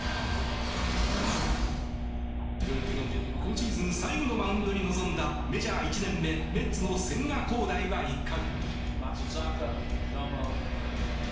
今シーズン最後のマウンドに臨んだメジャー１年目メッツの千賀滉大は１回。